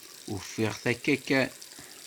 Ufiɣ-t akka kan.